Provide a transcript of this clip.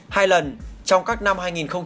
hai lần trong các năm hai nghìn một mươi hai